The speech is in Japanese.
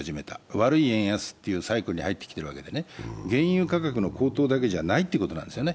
悪い円安というサイクルに入ってきているわけでね、原油価格の高騰だけじゃないということですね。